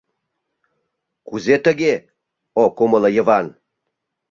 — Кузе тыге? — ок умыло Йыван.